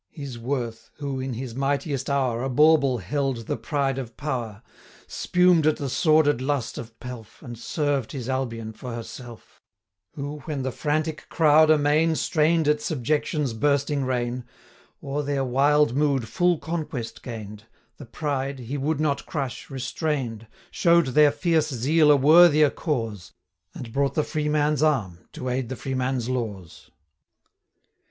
His worth, who, in his mightiest hour, A bauble held the pride of power, Spum'd at the sordid lust of pelf, And served his Albion for herself; 90 Who, when the frantic crowd amain Strain'd at subjection's bursting rein, O'er their wild mood full conquest gain'd, The pride, he would not crush, restrain'd, Show'd their fierce zeal a worthier cause, 95 And brought the freeman's arm, to aid the freeman's laws.